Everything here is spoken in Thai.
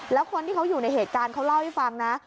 แล้วคนที่เขาอยู่ในเหตุการณ์เขาเล่าให้ฟังนะ